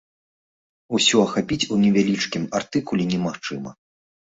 Усё ахапіць у невялічкім артыкуле немагчыма.